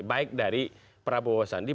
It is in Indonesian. baik dari prabowo sandi